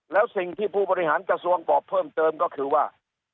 แล้วสิ่งที่ผู้บริหารกระทรวงบอกเพิ่มเติมก็คือว่า